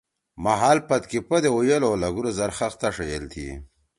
محل پد کو پدے اُویَل او لھگُور زر خختا ݜئیل تھی۔